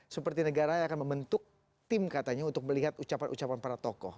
seperti negara yang akan membentuk tim katanya untuk melihat ucapan ucapan para tokoh